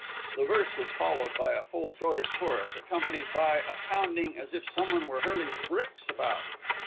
The verse was followed by a full throated chorus, accompanied by a pounding as if someone were hurling bricks about.